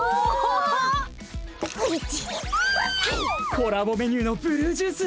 コラボメニューのブルージュース！